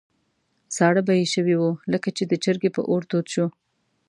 ساړه به یې شوي وو، لکه چې د چرګۍ په اور تود شو.